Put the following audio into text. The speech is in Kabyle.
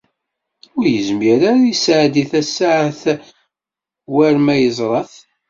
Ur yezmir ara ad yesɛeddi tasaɛet war ma yeẓra-t.